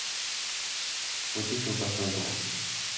我哋食完先走。